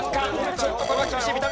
ちょっとこれは厳しい。